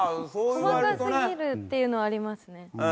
細かすぎるっていうのはありますね。